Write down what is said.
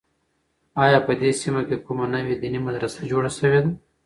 آیا په دې سیمه کې کومه نوې دیني مدرسه جوړه شوې ده؟